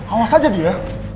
awas aja dia